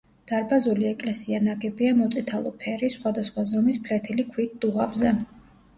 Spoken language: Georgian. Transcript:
დარბაზული ეკლესია ნაგებია მოწითალო ფერის, სხვადასხვა ზომის ფლეთილი ქვით დუღაბზე.